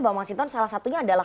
bahwa mas hinton salah satunya adalah